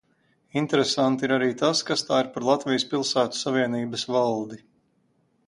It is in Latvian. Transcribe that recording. Interesanti ir arī tas, kas tā ir par Latvijas Pilsētu savienības valdi.